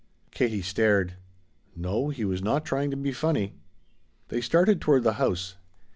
Katie stared. No, he was not trying to be funny. They started toward the house.